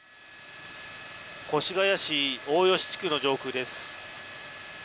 越谷市大吉地区の上空です。